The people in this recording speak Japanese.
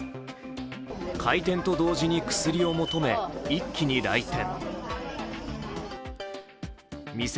開店と同時に薬を求め一気に来店。